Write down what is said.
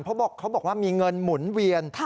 เพราะเขาบอกว่ามีเงินหมุนเวียน